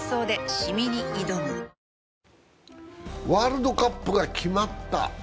ワールドカップが決まった。